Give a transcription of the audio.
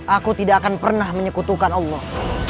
aku tidak akan pernah menyekutukan allah